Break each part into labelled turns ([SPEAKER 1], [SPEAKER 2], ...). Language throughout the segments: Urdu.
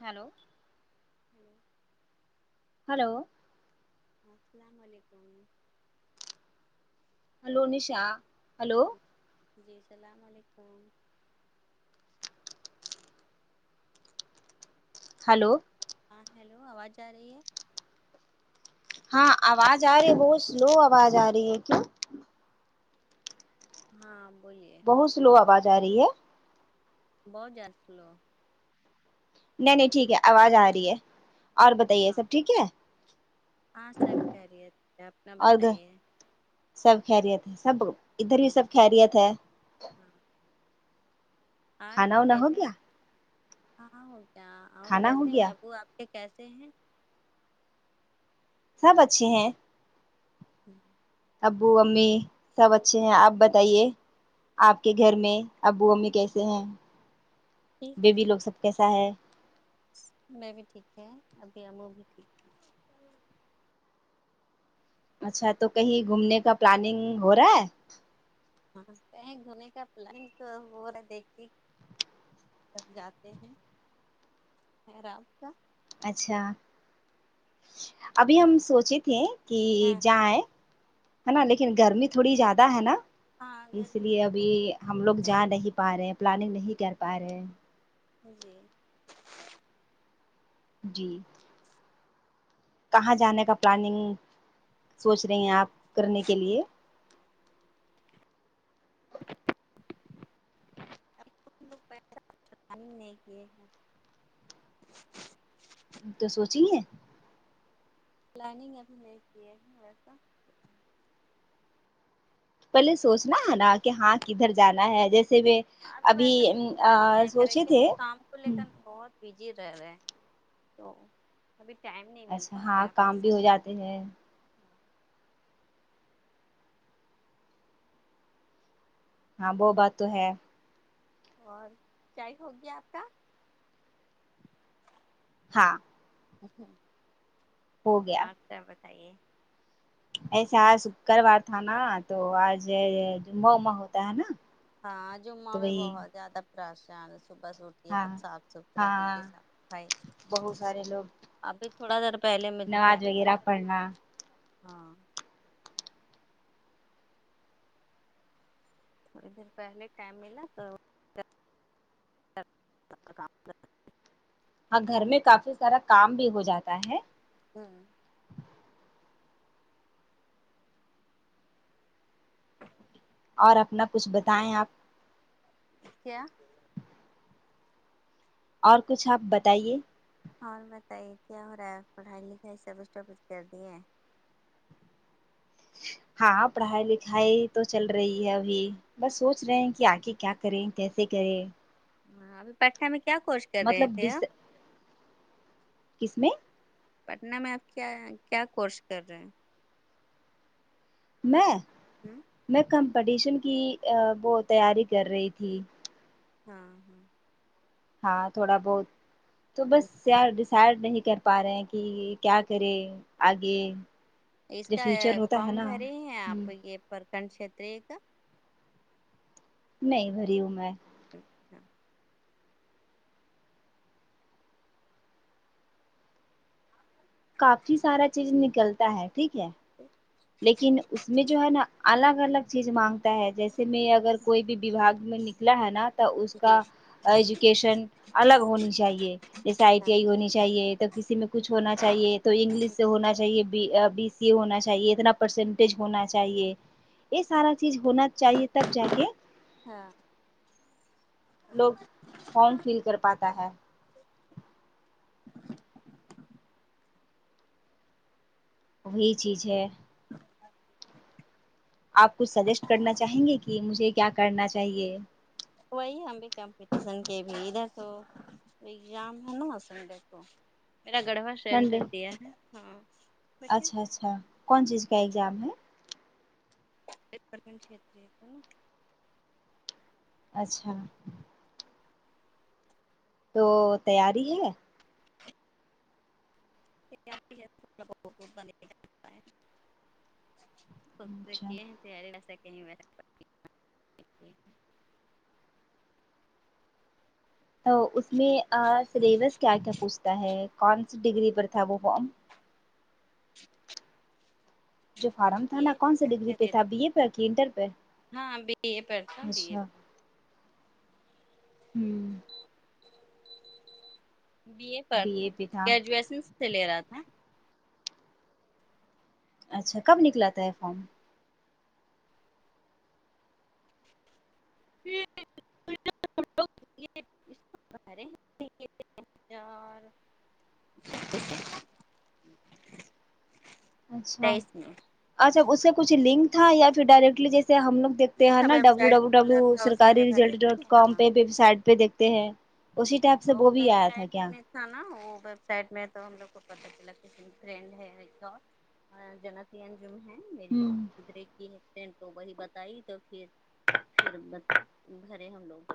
[SPEAKER 1] ہیلو
[SPEAKER 2] ہوں
[SPEAKER 1] ہلو
[SPEAKER 2] اسلام علیکم
[SPEAKER 1] ہلو نشا
[SPEAKER 2] جی
[SPEAKER 1] ہلو
[SPEAKER 2] جی جی اسلام علیکم
[SPEAKER 1] ہلو
[SPEAKER 2] ہیلو آواز آرہی ہے
[SPEAKER 1] ہاں آواز آ رہی ہے بہت سلو آواز آ رہی ہے کیوں
[SPEAKER 2] ہاں بولیے
[SPEAKER 1] بہت سلو آواز آ رہی ہے
[SPEAKER 2] بہت زیادہ سلو
[SPEAKER 1] نہیں نہیں ٹھیک ہے آواز آ رہی ہے اور بتائیے
[SPEAKER 2] ہاں
[SPEAKER 1] سب ٹھیک ہے
[SPEAKER 2] ہاں سب خیریت ہے اپنا
[SPEAKER 1] اور
[SPEAKER 2] بتائیے
[SPEAKER 1] سب خیریت ہے سب ادھر ہی سب خیریت ہے
[SPEAKER 2] اور
[SPEAKER 1] کھانا وانا ہو
[SPEAKER 2] کیسے
[SPEAKER 1] گیا
[SPEAKER 2] کہاں ہے کیا اور
[SPEAKER 1] کھانا
[SPEAKER 2] کیسے
[SPEAKER 1] ہو گیا
[SPEAKER 2] ہیں ابو آپ کے کیسے ہیں
[SPEAKER 1] سب اچھے ہیں
[SPEAKER 2] ہوں
[SPEAKER 1] ابو امی سب اچھے ہیں آپ بتائیے آپ کے گھر میں ابو امی کیسے ہیں
[SPEAKER 2] ٹھیک ہے
[SPEAKER 1] بیبی لوگ سب کیسا ہے
[SPEAKER 2] میں بھی ٹھیک ہے ابو امی بھی ٹھیک ہے
[SPEAKER 1] اچھا تو کہیں گھومنے کا پلاننگ ہو رہا ہے
[SPEAKER 2] ہا بستہ ہے گھومنے کا پلانگ تو ہو رہا دیکھیے تب جاتے ہیں ہے رات کا
[SPEAKER 1] اچھا ابھی ہم سوچے تھے کہ
[SPEAKER 2] ہاں
[SPEAKER 1] جائے ہے نا لیکن گرمی تھوڑی زیادہ ہے نا
[SPEAKER 2] ہاں
[SPEAKER 1] اس
[SPEAKER 2] گرمی
[SPEAKER 1] لیے
[SPEAKER 2] بہت
[SPEAKER 1] ابھی ہم لوگ جا نہیں پا رہے پلاننگ نہیں کر پا رہے ہیں
[SPEAKER 2] ہاں جی
[SPEAKER 1] جی کہاں جانے کا پلاننگ سوچ رہی ہیں آپ کرنے کے لیے
[SPEAKER 2] پلاننگ نہیں کیے ہیں [inaudible]
[SPEAKER 1] تو سوچی ہے
[SPEAKER 2] پلاننگ ابھی نہیں کیے ویسا
[SPEAKER 1] پہلے سوچنا ہے نا کہ ہاں کدھر جانا ہے جیسے وھ
[SPEAKER 2] ابھی ویسا کچھ پلاننگ نہیں کرے
[SPEAKER 1] تھے
[SPEAKER 2] کیونکہ کام کو لے
[SPEAKER 1] ہوں،
[SPEAKER 2] کر بہت بزی رہ رہے تو ابھی ٹائم نہیں مل پا رہا ہے ویسا
[SPEAKER 1] ج ہیں ہاں وہ بات تو ہے
[SPEAKER 2] اور چائے ہوگیا آپ کا
[SPEAKER 1] ہاں
[SPEAKER 2] ای ہں
[SPEAKER 1] ہو گیا
[SPEAKER 2] اور کیا بتائیے
[SPEAKER 1] ایسے آج شکروار تھا نا تو آج جمعہ وما ہوتا ہے نا
[SPEAKER 2] ہاں جمعہ
[SPEAKER 1] تو
[SPEAKER 2] میں
[SPEAKER 1] وہی
[SPEAKER 2] بہت زیادہ پریشان صبح سے اٹھ یہ
[SPEAKER 1] ہاں
[SPEAKER 2] سب صاف ستھرا دیںے
[SPEAKER 1] ہاں
[SPEAKER 2] صفائی
[SPEAKER 1] بہت سارے لوگ
[SPEAKER 2] ابھی تھوڑا دیر پہلے میکو
[SPEAKER 1] نماز
[SPEAKER 2] ٹائم
[SPEAKER 1] وغیرہ
[SPEAKER 2] ملا
[SPEAKER 1] پڑھنا
[SPEAKER 2] ہاں تھوڑی دیر پہلے ٹائم ملا تو کا آپکا کام
[SPEAKER 1] ہاں گھر میں کافی سارا کام بھی ہو جاتا ہے
[SPEAKER 2] ہوں [inaudible]
[SPEAKER 1] اور اپنا کچھ بتائیں آپ
[SPEAKER 2] کیا
[SPEAKER 1] اور کچھ آپ بتائیے
[SPEAKER 2] اور بتائیے کیا ہو رہا ہے پڑھائی لکھائی سبچ کچھ کر دی ہے
[SPEAKER 1] ہاں پڑھائی لکھائی تو چل رہی ہے ابھی بس سوچ رہے ہیں کہ آگے کیا کریں کیسے کریں
[SPEAKER 2] ہاں ابھی پڑرھا میں کیا کچ
[SPEAKER 1] مطلب ڈ س ا کس میں
[SPEAKER 2] پٹنا میں آپ کیا کیا کورس کر رہے ہیں
[SPEAKER 1] میں
[SPEAKER 2] ہوں
[SPEAKER 1] میں کمپٹیشن کی وہ تیاری کر رہی تھی
[SPEAKER 2] ہاں ہاں
[SPEAKER 1] ہاں تھوڑا بہت تو بس
[SPEAKER 2] سم-
[SPEAKER 1] کیا ڈیسائڈ نہیں کر پا رہے ہیں کہ کیا کرے آگے
[SPEAKER 2] اس
[SPEAKER 1] جو
[SPEAKER 2] کا
[SPEAKER 1] فیوچر ہوتا ہے
[SPEAKER 2] فم
[SPEAKER 1] نا
[SPEAKER 2] بھرے ہیں
[SPEAKER 1] ہ
[SPEAKER 2] آپ یہ پرکنڈ کھیتر کا
[SPEAKER 1] نہیں بھری ہوں میں
[SPEAKER 2] اچھا
[SPEAKER 1] کافی سارا چیز نکلتا ہے ٹھیک ہے
[SPEAKER 2] [unintelligible]
[SPEAKER 1] لیکن اس میں جو ہے نا الگ الگ چیز مانگتا ہے جیسے میں اگر کوئی بھی وھاگ میں نکلا ہے نا تو اس
[SPEAKER 2] جی
[SPEAKER 1] کا ایجوکیشن الگ ہونی چاہیے جیسے آئی ٹی
[SPEAKER 2] ہاں
[SPEAKER 1] آئی ہونی چاہیے تب کسی میں کچھ ہونا چاہیے تو انگلش سے ہونا چاہیے بی ا بی سی اے ہونا چاہیے اتنا پرسینٹیج ہونا چاہیے یہ سارا چیز ہونا چاہیے تب جا کے
[SPEAKER 2] ہاں
[SPEAKER 1] لوگ فارم فیل کر پاتا ہے وہی چیز ہے آپ کچھ سجیسٹ کرنا چاہیں گے کہ مجھے کیا کرنا چاہیے
[SPEAKER 2] وہی ہم بھی کمپٹیشن کے بھی ادھر تو ایگزام نہ سنڈے کو میرا گڑھوا
[SPEAKER 1] سنڈے
[SPEAKER 2] سینٹر دیا ہے ہاں بیٹھے
[SPEAKER 1] اچھا اچھا کون چیز کا ایگزام ہے
[SPEAKER 2] [unintelligible]
[SPEAKER 1] اچھا تو تیاری ہے
[SPEAKER 2] [inaudible] سوچتے
[SPEAKER 1] اچھا
[SPEAKER 2] کہ [unintelligible] تیاری ایسا کہیں
[SPEAKER 1] تو اس میں ا سلیبس کیا کیا پوچھتا ہے کون سی ڈگری پر تھا وہ فارم جو فارم تھا نا کون سا ڈگری پہ
[SPEAKER 2] یہ
[SPEAKER 1] تھا بی اے پہ کہ انٹر پہ
[SPEAKER 2] ہاں بی اے پر تھا بی اے
[SPEAKER 1] اچھا
[SPEAKER 2] پر
[SPEAKER 1] ہوں
[SPEAKER 2] بی اے پر تھا گریجویشن سے لے رہا تھا
[SPEAKER 1] اچھا کب نکلاتا ہے فارم
[SPEAKER 2] [inaudible] [inaudible]
[SPEAKER 1] اچھا
[SPEAKER 2] تیئیس میں
[SPEAKER 1] اچھا اس سے کچھ لنک تھا یا پھر ڈائریکٹلی جیسے ہم لوگ دیکھتے ہیں
[SPEAKER 2] لکھا
[SPEAKER 1] نا
[SPEAKER 2] web
[SPEAKER 1] W
[SPEAKER 2] site
[SPEAKER 1] W W
[SPEAKER 2] کھلا تھا اسی میں
[SPEAKER 1] سرکاری
[SPEAKER 2] بھرے
[SPEAKER 1] ریزلٹ
[SPEAKER 2] تھے
[SPEAKER 1] ڈاٹ کام
[SPEAKER 2] ہاں
[SPEAKER 1] پہ ویب سائٹ پہ دیکھتے ہیں اسی ٹائپ سے وہ بھی آیا تھا کیا
[SPEAKER 2] ہے نا وہ ویب سائٹ میں تو ہم لوگ کو پتا چلا کہ فرینڈ ہے ایسا جنتین انجم ہے میری
[SPEAKER 1] ہوں
[SPEAKER 2] [unintelligible] پدرے کی تو وہی بتائی تو پھر پھر گھرے ہم لوگ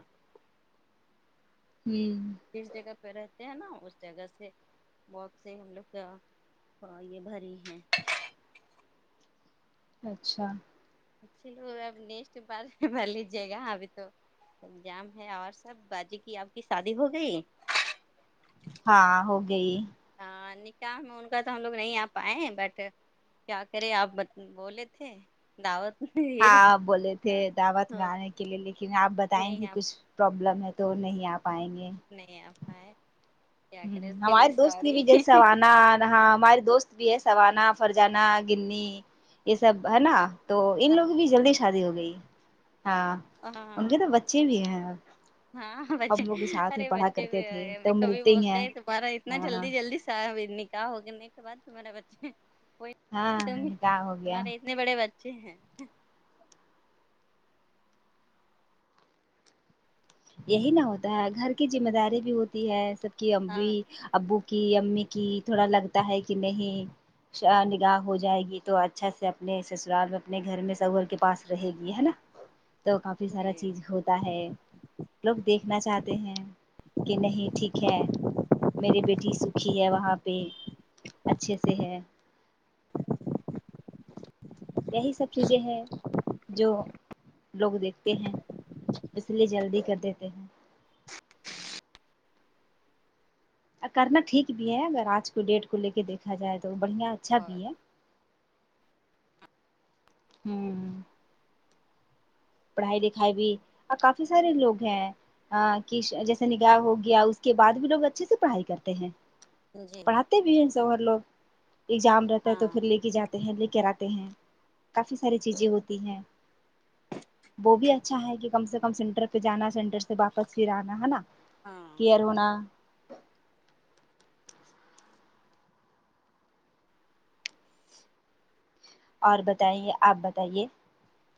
[SPEAKER 1] ہمم
[SPEAKER 2] جس جگہ پہ رہتے ہیں نا اس جگہ سے بہت سے ہم لوگ کا ہاں یہ بھری ہے
[SPEAKER 1] اچھا
[SPEAKER 2] چلو اب نیکسٹ بار ب لیجیے گا ابھی تو انجام ہے اور سب باجی کی آپ کی شادی ہو گئی
[SPEAKER 1] ہاں ہو گئی
[SPEAKER 2] ہاں نکاح میں ان کا تو ہم لوگ نہیں آ پائے ہیں بٹ کیا کرے آپ مت بولے تھے دعوت میں
[SPEAKER 1] ہاں
[SPEAKER 2] یہ
[SPEAKER 1] آپ بولے تھے
[SPEAKER 2] ہاں
[SPEAKER 1] دعوت میں آنے کے لیے لیکن آپ بتائیں تھے
[SPEAKER 2] نہیں آپ
[SPEAKER 1] کچھ پرابلم ہے تو نہیں آ پائیں گے
[SPEAKER 2] نہیں آ پائے کیا
[SPEAKER 1] ہوں
[SPEAKER 2] کرے اس کے لیے
[SPEAKER 1] ہماری دوست
[SPEAKER 2] سوری
[SPEAKER 1] ملی جیسا ہوا نا ہاں ہمارے دوست بھی ہے سوانا فرجانا گننی یہ سب ہے نا تو ان
[SPEAKER 2] ہاں
[SPEAKER 1] لوگوں کی جلدی شادی ہو گئی ہاں ان
[SPEAKER 2] ہاں
[SPEAKER 1] کے تو بچے بھی ہیں
[SPEAKER 2] ہاں بچے
[SPEAKER 1] ہم لوگ کے ساتھ میں
[SPEAKER 2] ارے
[SPEAKER 1] پڑھا
[SPEAKER 2] بچے بھی
[SPEAKER 1] کرتے تھے
[SPEAKER 2] ہوگئے
[SPEAKER 1] تو
[SPEAKER 2] کبھی
[SPEAKER 1] ملتے ہی
[SPEAKER 2] بولتے ہیں تمہارا اتنا
[SPEAKER 1] ہاں
[SPEAKER 2] جلدی جلدی صاحب نکاح ہونے کے بعد تمہارا بچے
[SPEAKER 1] ہاں
[SPEAKER 2] ت
[SPEAKER 1] نکاح ہو گیا
[SPEAKER 2] تمہارے اتنے بڑے بچے ہیں
[SPEAKER 1] یہی نہ ہوتا ہے گھر کی جمہ داری بھی ہوتی ہے سب کی اپنی
[SPEAKER 2] ہاں
[SPEAKER 1] ابو کی امی کی تھوڑا لگتا ہے کہ نہیں ش نکاح ہو جائے گی تو اچھا سے اپنے سسرال میں اپنے گھر میں شوہر کے پاس رہے گی ہے نا تو کافی سارا
[SPEAKER 2] جی
[SPEAKER 1] چیز ہوتا ہے لوگ دیکھنا چاہتے ہیں کہ نہیں ٹھیک ہے میری بیٹی سکھی ہے وہاں پہ اچھے سے ہے یہی سب چیزیں ہے جو لوگ دیکھتے ہیں اس لیے جلدی کر دیتے ہیں کرنا ٹھیک بھی ہے اگر آج کو ڈیٹ کو لے کے دی کھا جائے تو بڑھیا اچھا
[SPEAKER 2] اور
[SPEAKER 1] بھی ہے پڑھائی لکھائی بھی اور کافی سارے لوگ ہیں ہاں کہ ش جیسے نکاح ہو گیا اس کے بعد بھی لوگ اچھے سے پڑھائی کرتے ہیں
[SPEAKER 2] جی
[SPEAKER 1] کرتے بھی ہیں شوہر لوگ ایگزام رہتا ہے تو
[SPEAKER 2] ہاں
[SPEAKER 1] پھر لے کے جا تہہ لے کر آتے ہیں کافی ساری چیزیں ہوتی ہیں وہ بھی اچھا ہے کہ کم سے کم سینٹر پہ جانا سینٹر سے واپس پھر آنا ہے نا
[SPEAKER 2] ہاں
[SPEAKER 1] کیئر ہونا اور بتائیے آپ بتائیے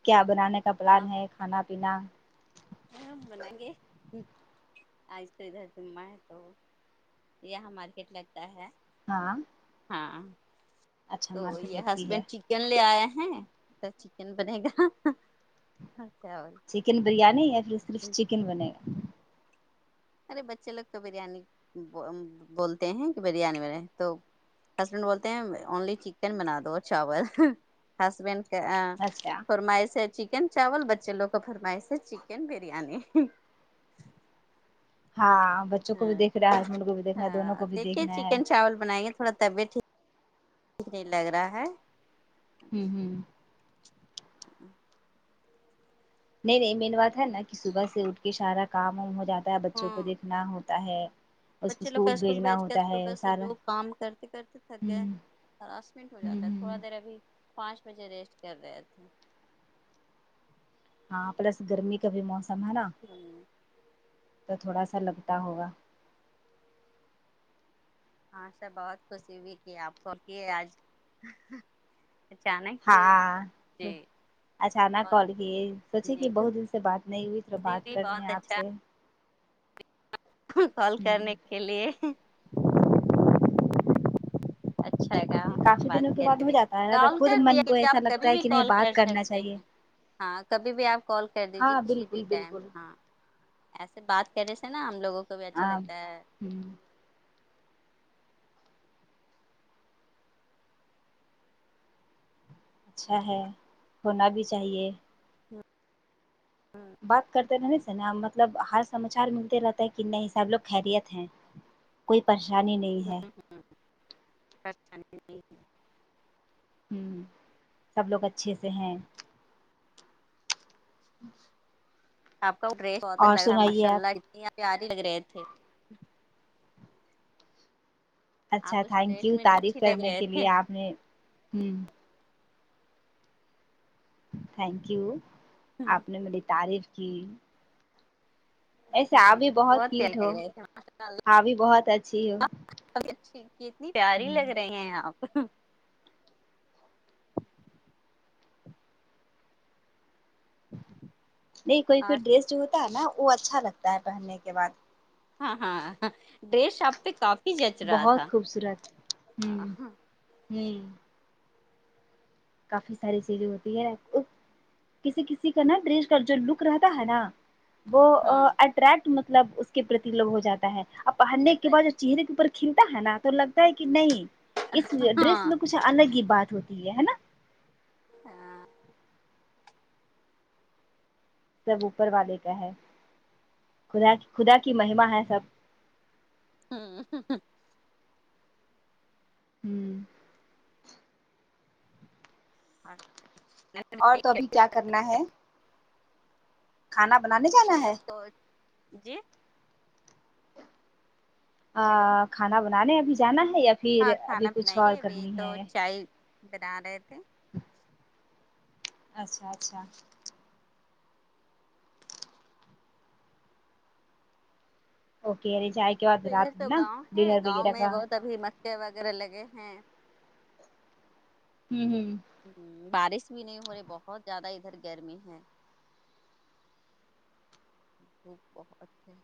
[SPEAKER 1] کیا بنانے کا پلان ہے کھانا پینا
[SPEAKER 2] ہاں ہم بنائنگے آج تو ادھر جمعہ ہے تو یہاں مارکیٹ لگتا ہے
[SPEAKER 1] ہاں
[SPEAKER 2] ہاں
[SPEAKER 1] اچھا
[SPEAKER 2] تو
[SPEAKER 1] مارکیٹ
[SPEAKER 2] یہ
[SPEAKER 1] لگتی ہے
[SPEAKER 2] ہسبینڈ چی کن لے آئے ہیں تو چکن بنے گا اور کیا
[SPEAKER 1] چکن بریانی یا پھر صرف چکن بنے گا
[SPEAKER 2] ارے بچے لوگ تو بریانی بو بولتے ہیں کہ بریانی بنے تو ہسبینڈ بولتے ہیں اونلی چکن بنا دو چاول ہ ہسبینڈ ا
[SPEAKER 1] گا اچھا
[SPEAKER 2] فرمائش ہے چکن چاول بچے لوگ کا فرمائش چکن بریانی
[SPEAKER 1] ہاں بچ
[SPEAKER 2] ہاں ہاں دیکھیے
[SPEAKER 1] دیکھنا ہے
[SPEAKER 2] چکن چاول بنائیں گے تھوڑا طبیعت ٹھی [unintelligible] لگ رہا ہے
[SPEAKER 1] ھمم ھمم نہیں نہیں مین بات ہے نا کہ صبح سے اٹھ کے شارا کام وام ہو جات تا بچوں کو
[SPEAKER 2] ہاں
[SPEAKER 1] دیکھنا ہوتا ہے اس کو
[SPEAKER 2] بچے لوگ کا اسکول
[SPEAKER 1] بھیجنا
[SPEAKER 2] بھیج کر
[SPEAKER 1] ہوتا ہے
[SPEAKER 2] صبح سے
[SPEAKER 1] سارا
[SPEAKER 2] جو کام کرتے کرتے تھک
[SPEAKER 1] ہ
[SPEAKER 2] گئے ہیں داس منٹ ہو
[SPEAKER 1] ہ
[SPEAKER 2] جاتا ہے تھوڑا
[SPEAKER 1] ہ
[SPEAKER 2] دیر ابھی پانچ بجے ریسٹ کر رہے تھے
[SPEAKER 1] ہاں پلس گرمی کا بھی موسم ہے نا
[SPEAKER 2] ہوں
[SPEAKER 1] تو تھوڑا سا لپٹا ہوگا
[SPEAKER 2] ہاں سا بہت خوشی ہوئی کی آپ کو کی آج [unintelligible]
[SPEAKER 1] ہاں
[SPEAKER 2] جی
[SPEAKER 1] اچانک
[SPEAKER 2] بہت
[SPEAKER 1] کال کیے سوچے کہ
[SPEAKER 2] جی
[SPEAKER 1] بہت دن سے بات نہیں ہوئی تو
[SPEAKER 2] خوشی
[SPEAKER 1] بات
[SPEAKER 2] ہوئی
[SPEAKER 1] کر رہے ہیں
[SPEAKER 2] بہت
[SPEAKER 1] آپ سے
[SPEAKER 2] خود کال
[SPEAKER 1] ہ
[SPEAKER 2] کرنے کے لیے اچھا گ
[SPEAKER 1] کافی
[SPEAKER 2] بات
[SPEAKER 1] دنوں کے بعد
[SPEAKER 2] کریں
[SPEAKER 1] ہو
[SPEAKER 2] بھی
[SPEAKER 1] جاتا ہے نا تو
[SPEAKER 2] کال
[SPEAKER 1] خود
[SPEAKER 2] کر
[SPEAKER 1] من کو
[SPEAKER 2] دیجئے
[SPEAKER 1] ایسا
[SPEAKER 2] آپ کبھی
[SPEAKER 1] لگتا ہے
[SPEAKER 2] بھی
[SPEAKER 1] کہ نہیں
[SPEAKER 2] کال کر
[SPEAKER 1] بات کرنا
[SPEAKER 2] سکتے
[SPEAKER 1] چاہیے
[SPEAKER 2] ہیں ہاں کبھی بھی آپ کال کر دیجیے
[SPEAKER 1] ہاں
[SPEAKER 2] کسی بھی
[SPEAKER 1] بالکل
[SPEAKER 2] ٹائم
[SPEAKER 1] بالکل
[SPEAKER 2] ہاں ایسے بات کر رے سے نا ہم لوگوں کو بھی اچھا لگتا ہے
[SPEAKER 1] ہوں اچھا ہے ہونا بھی چاہیے بات کرتے رہنے سے نا مطلب ہر سماچار ملتے رہتے ہے کہ سب لوگ خیریت ہیں کوئی پریشانی نہیں ہے
[SPEAKER 2] [inaudible]
[SPEAKER 1] ہوں سب لوگ اچھے سے ہیں [unintelligible]
[SPEAKER 2] آپ کا وہ ڈریس بہت اچھا
[SPEAKER 1] اور
[SPEAKER 2] لگ رہا ماشا
[SPEAKER 1] سنائیے
[SPEAKER 2] اللہ اتنی اپ پیاری لگ رہے تھے
[SPEAKER 1] اچھا
[SPEAKER 2] آپ اس
[SPEAKER 1] تھینک
[SPEAKER 2] ڈریس
[SPEAKER 1] یو
[SPEAKER 2] میں
[SPEAKER 1] تعریف
[SPEAKER 2] اچھی لگ
[SPEAKER 1] کرنے
[SPEAKER 2] رہے
[SPEAKER 1] کے لیے
[SPEAKER 2] تھے
[SPEAKER 1] آپ نے ہمم تھینک یو آپ نے میری تعریف کی ایسے آپ
[SPEAKER 2] جی
[SPEAKER 1] بھی
[SPEAKER 2] بہت پیاری
[SPEAKER 1] کیوٹ ہو
[SPEAKER 2] لگ رہے تھے ماشاء
[SPEAKER 1] آپ بھی بہت اچھی ہو
[SPEAKER 2] اللہ ب اتنی پیاری
[SPEAKER 1] ہوں
[SPEAKER 2] لگ رہی ہیں آپ
[SPEAKER 1] نہیں کوئی کوئی
[SPEAKER 2] اور
[SPEAKER 1] ڈریس جو ہوتا ہے نا وہ اچھا لگتا ہے پہننے کے بعد
[SPEAKER 2] ہاں ہاں ڈریس آپ پہ کافی جچ رہا تھا
[SPEAKER 1] بہت
[SPEAKER 2] ہاں
[SPEAKER 1] ہوں کافی ساری چیزیں ہوتی ہے کسی کسی کا نا دریش کا جو لک رہتا ہے نا وہ
[SPEAKER 2] ہاں ہاں
[SPEAKER 1] اٹریکٹ مطلب اس کے پرتی لوگ ہو جاتا ہے اب پہننے کے بعد چہرے کے اوپر کھلتا ہے نا تو لگتا ہے کہ نہیں اس ڈریس میں کچھ الگ ہی بات ہوتی ہے نا
[SPEAKER 2] ہاں
[SPEAKER 1] سب اوپر والے کا ہے خدا خدا کی مہما ہے سب
[SPEAKER 2] ہوں
[SPEAKER 1] ہوں
[SPEAKER 2] اچ
[SPEAKER 1] اور تو ابھی کیا کرنا ہے کھانا بنانے
[SPEAKER 2] کچھ
[SPEAKER 1] جانا
[SPEAKER 2] نہیں
[SPEAKER 1] ہے
[SPEAKER 2] آپ کو جی ہیلو
[SPEAKER 1] آ کھانا بنانے ابھی جانا ہے یا پھر
[SPEAKER 2] ہاں
[SPEAKER 1] ابھی
[SPEAKER 2] کھانا
[SPEAKER 1] کچھ اور
[SPEAKER 2] بنائیے ابھی
[SPEAKER 1] کرنی
[SPEAKER 2] تو
[SPEAKER 1] ہے
[SPEAKER 2] چائے بنا رہے تھے
[SPEAKER 1] اچھا اچھا اوکے ابی چا
[SPEAKER 2] تو ادھر تو گاؤں ہے گاؤں میں بہت ابھی مچیا وغیرہ لگے ہیں
[SPEAKER 1] ہوں ہوں
[SPEAKER 2] ہوں بارش بھی نہیں ہو رہی بہت زیادہ ادھر گرمی ہے دھوپ بہت ہے